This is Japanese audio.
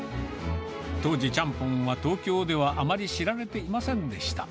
当時、ちゃんぽんは東京ではあまり知られていませんでした。